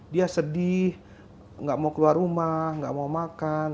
dia sedih tidak mau keluar rumah tidak mau makan